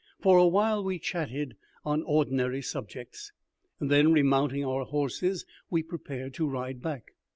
For a while we chatted on ordinary subjects, and then, remounting our horses, we prepared to ride back.